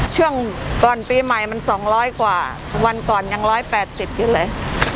ช่วงก่อนปีใหม่มัน๒๐๐กว่าวันก่อนยัง๑๘๐อยู่เลย